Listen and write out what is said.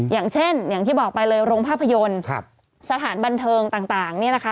อย่างเช่นอย่างที่บอกไปเลยโรงภาพยนตร์สถานบันเทิงต่างเนี่ยนะคะ